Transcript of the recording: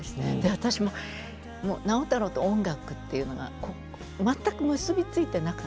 私もう直太朗と音楽っていうのが全く結び付いてなかったんですね。